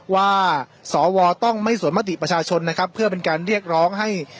สวต้องไม่สวนมติประชาชนนะครับเพื่อเป็นการเรียกร้องให้